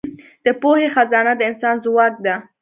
د پوهې خزانه د انسان ځواک ده.